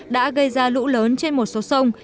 đã gây ra lũ lớn trên một số sông